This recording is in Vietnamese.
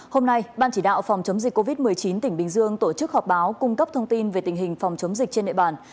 hôm nay ban chỉ đạo phòng chống dịch covid một mươi chín tỉnh bình dương tổ chức họp báo cung cấp thông tin về tình hình phòng chống dịch trên địa bàn